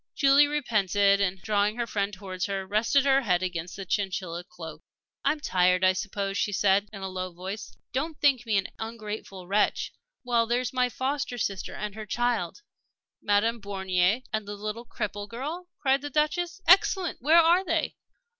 Julie repented, and, drawing her friend towards her, rested her head against the chinchilla cloak. "I'm tired, I suppose," she said, in a low voice. "Don't think me an ungrateful wretch. Well, there's my foster sister and her child." "Madame Bornier and the little cripple girl?" cried the Duchess. "Excellent! Where are they?"